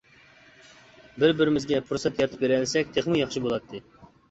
بىر-بىرىمىزگە پۇرسەت يارىتىپ بېرەلىسەك تېخىمۇ ياخشى بولاتتى.